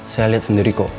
saya lihat sendiri kok